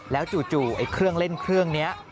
แล้วจู่ไอ้เครื่องเล่นเครื่องนี้